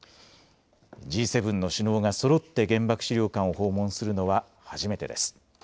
Ｇ７の首脳がそろって原爆資料館を訪問するのは初めてです。